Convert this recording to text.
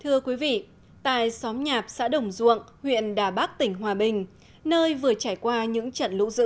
thưa quý vị tại xóm nhạp xã đồng duộng huyện đà bắc tỉnh hòa bình nơi vừa trải qua những trận lũ dữ